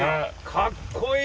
かっこいい！